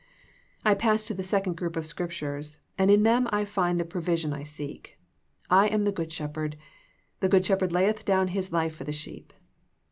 I pass to the second group of Scriptures and in them I find the provision I seek. "I am the good Shepherd : the good Shepherd layeth down His life for the sheep."